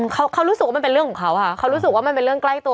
เขาเขารู้สึกว่ามันเป็นเรื่องของเขาค่ะเขารู้สึกว่ามันเป็นเรื่องใกล้ตัว